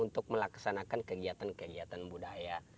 untuk melaksanakan kegiatan kegiatan budaya